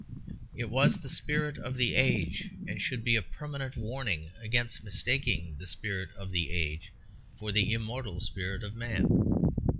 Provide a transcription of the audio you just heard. It was the spirit of the age, and should be a permanent warning against mistaking the spirit of the age for the immortal spirit of man.